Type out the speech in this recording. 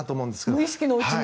無意識のうちに。